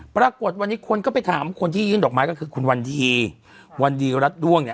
ปรากฏวันนี้คนก็ไปถามคนที่ยื่นดอกไม้ก็คือคุณวันทีวันดีรัฐด้วงเนี่ย